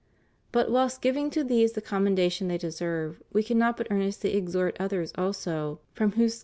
But whilst giving to these the commendation they deserve, We cannot but earnestly exhort others also, from whose skill ' S.